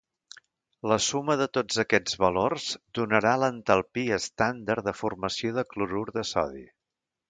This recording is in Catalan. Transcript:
La suma de tots aquests valors donarà l'entalpia estàndard de formació de clorur de sodi.